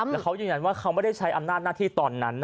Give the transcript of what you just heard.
แต่เขายืนยันว่าเขาไม่ได้ใช้อำนาจหน้าที่ตอนนั้น